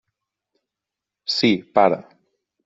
Sí, pare.